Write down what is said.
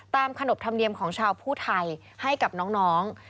ขนบธรรมเนียมของชาวผู้ไทยให้กับน้อง